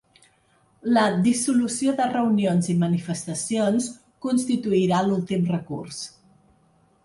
La dissolució de reunions i manifestacions constituirà l’últim recurs.